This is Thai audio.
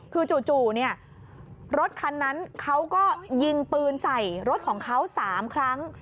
คือจู่รถคันนั้นเขาก็ยิงปืนใส่รถของเขา๓ครั้ง